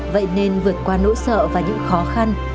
vậy nên vượt qua nỗi sợ và những khó khăn